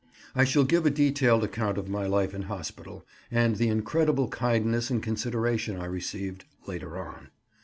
I shall give a detailed account of my life in hospital, and the incredible kindness and consideration I received, later on.